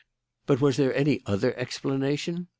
But was there any other explanation?